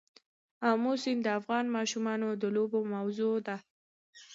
آمو سیند د افغان ماشومانو د لوبو موضوع ده.